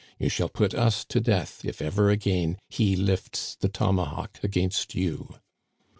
You shall put us to death if ever again he lifts the tomahawk against you.'